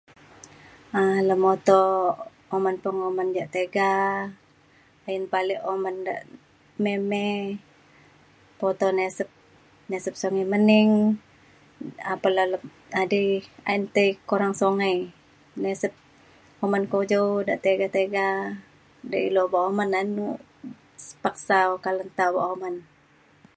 um lemoto oman pengoman ja tiga ayen pe alik oman da' mae mae. poto neseb, neseb songai mening apan le edai ayen tai korang songai, naseb oman kojau da tega-tega da ilu obak oman ayen paksa oka le nta obak oman.